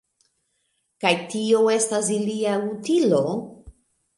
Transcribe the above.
Kaj tio estas ilia utilo?